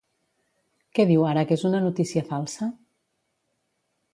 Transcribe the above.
Què diu ara que és una notícia falsa?